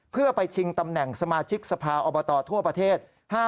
เพื่อไปชิงตำแหน่งสมาชิกสภาอบตทั่วประเทศ